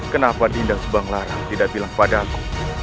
kenapa dinda subang lara tidak bilang padaku